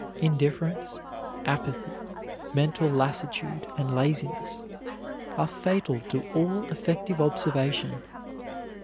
Indifference, apathy, mental lassitude and laziness are fatal to all effective observation.